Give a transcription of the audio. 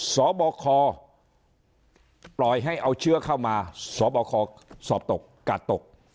สอบบ่าคอปล่อยให้เอาเชื้อเข้ามาสอบบ่าคอสอบตกกาดตก